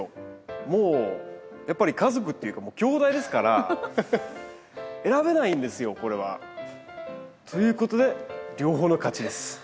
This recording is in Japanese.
もうやっぱり家族っていうかもうきょうだいですから選べないんですよこれは。ということで両方の勝ちです。